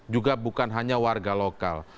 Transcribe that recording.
juga bukan hanya warga lokal